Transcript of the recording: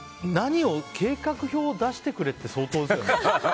計画表を出してくれって相当ですよね。